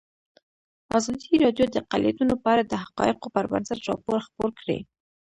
ازادي راډیو د اقلیتونه په اړه د حقایقو پر بنسټ راپور خپور کړی.